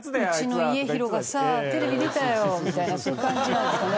「うちの家広がさテレビ出たよ」みたいなそういう感じなんですかね。